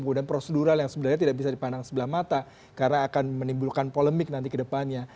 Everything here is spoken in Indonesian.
kemudian prosedural yang sebenarnya tidak bisa dipandang sebelah mata karena akan menimbulkan polemik nanti ke depannya